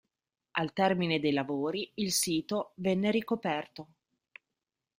Al termine dei lavori il sito venne ricoperto.